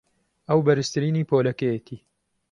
ئەو بەرزترینی پۆلەکەیەتی.